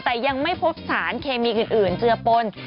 แต่ยังไม่พบสารเคมีอื่นเจือปน